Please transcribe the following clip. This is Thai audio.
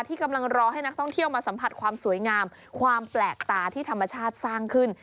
กำลังรอให้นักท่องเที่ยวมาสัมผัสความสวยงามความแปลกตาที่ธรรมชาติสร้างขึ้น